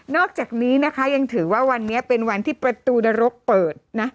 อกจากนี้นะคะยังถือว่าวันนี้เป็นวันที่ประตูนรกเปิดนะ